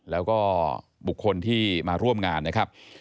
แล้วก็บุคคลที่มาร่วมงานนะครับ